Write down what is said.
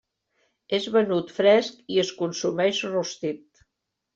És venut fresc i es consumeix rostit.